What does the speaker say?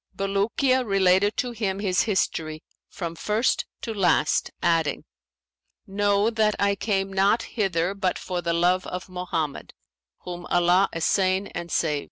Bulukiya related to him his history from first to last, adding, 'Know that I came not hither but for the love of Mohammed (whom Allah assain and save!)